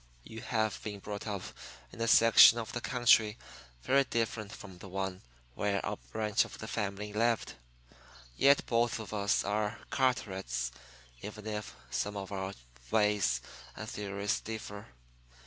You have been brought up in a section of the country very different from the one where our branch of the family lived. Yet both of us are Carterets, even if some of our ways and theories differ.